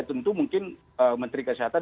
tentu mungkin menteri kesehatan